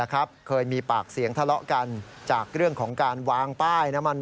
เคยมีปากเสียงทะเลาะกันจากเรื่องของการวางป้ายน้ำมัน